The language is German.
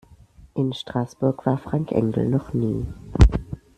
In Straßburg war Frank Engel noch nie.